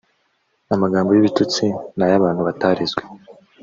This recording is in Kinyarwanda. amagambo y’ ibitutsi nayabantu batarezwe.